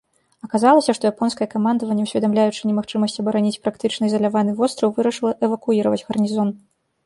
Аказалася, што японскае камандаванне, усведамляючы немагчымасць абараніць практычна ізаляваны востраў, вырашыла эвакуіраваць гарнізон.